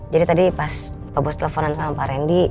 jadi tadi pas pak bos teleponan sama pak rendy